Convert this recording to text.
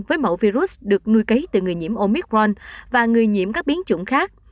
với mẫu virus được nuôi cấy từ người nhiễm omicron và người nhiễm các biến chủng khác